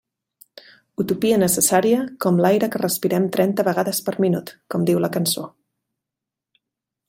Utopia necessària com l'aire que respirem trenta vegades per minut com diu la cançó.